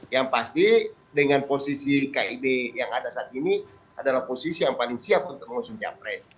yang pasti dengan posisi kib yang ada saat ini adalah posisi yang paling siap untuk mengusung capres